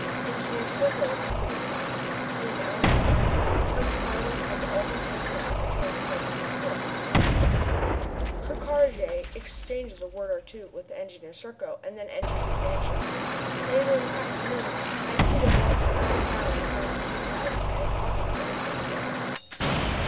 Engineer Serko accompanies him. In an hour's time the tug's cargo has all been taken out and transported to the storehouses. Ker Karraje exchanges a word or two with Engineer Serko and then enters his mansion. Later, in the afternoon, I see them walking up and down in front of the Beehive and talking earnestly together.